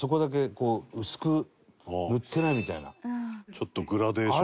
ちょっとグラデーション。